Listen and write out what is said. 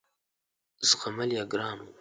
زغمل یې ګران وه.